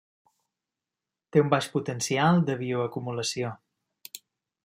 Té un baix potencial de bioacumulació.